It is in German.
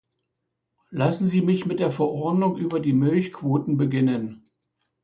Lassen Sie mich mit der Verordnung über die Milchquoten beginnen.